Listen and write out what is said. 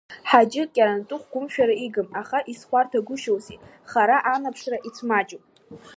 Ҳаџьы Кьарантыху гумшәара игым, аха изхуарҭагушьоузеи, хара анаԥшра ицәмаҷуп…